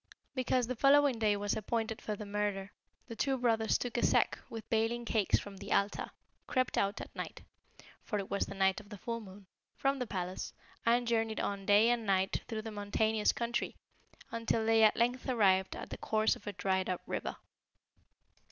"Because the following day was appointed for the murder, the two brothers took a sack with baling cakes from the altar, crept out at night, for it was the night of the full moon, from the palace, and journeyed on day and night through the mountainous country, until they at length arrived at the course of a dried up river.